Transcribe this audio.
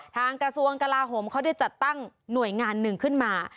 กระทรวงกลาโหมเขาได้จัดตั้งหน่วยงานหนึ่งขึ้นมา